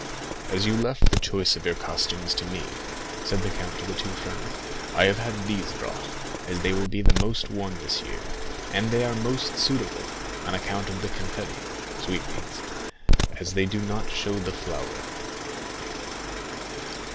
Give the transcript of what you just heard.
20167m "As you left the choice of your costumes to me," said the count to the two friends, "I have had these brought, as they will be the most worn this year; and they are most suitable, on account of the confetti (sweetmeats), as they do not show the flour."